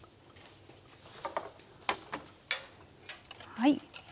はい。